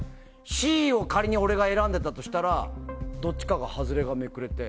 Ｃを仮に俺が選んでたとしたらどっちかの外れがめくれて。